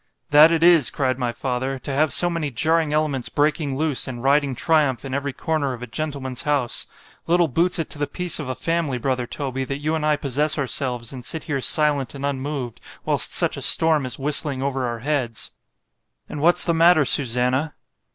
——That it is, cried my father—to have so many jarring elements breaking loose, and riding triumph in every corner of a gentleman's house—Little boots it to the peace of a family, brother Toby, that you and I possess ourselves, and sit here silent and unmoved——whilst such a storm is whistling over our heads.—— And what's the matter, _Susannah?